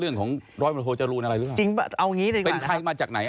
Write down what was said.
เรื่องของร้อยบริโภคจะรู้ยังอะไรหรือว่าเป็นใครมาจากไหน